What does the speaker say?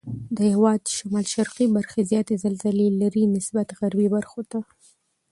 د هېواد شمال شرقي برخې زیاتې زلزلې لري نسبت غربي برخو ته.